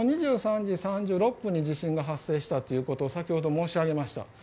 ２３時３６分に地震が発生したと先ほど申し上げました。